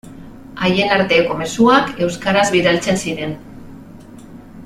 Haien arteko mezuak euskaraz bidaltzen ziren.